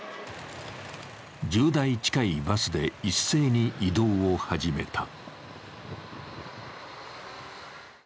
１０台近いバスで一斉に移動を始めた。